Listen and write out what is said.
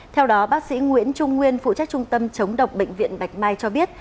theo đó bác sĩ nguyễn trung nguyên phụ trách trung tâm chống độc bệnh viện bạch mai cho biết